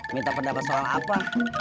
minta pendapat soal apa